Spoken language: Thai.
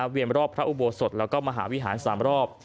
เวียนรอบพระอุโบสถและมหาวิหารสามรอบ